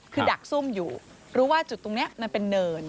คือดักซุ่มอยู่รู้ว่าจุดตรงนี้มันเป็นเนิน